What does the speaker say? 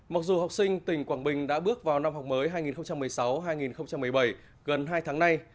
mặc dù học sinh tỉnh quảng bình đã bước vào năm học mới hai nghìn một mươi sáu hai nghìn một mươi bảy gần hai tháng nay